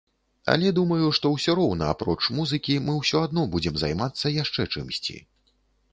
Але думаю, што ўсё роўна апроч музыкі мы ўсё адно будзем займацца яшчэ чымсьці.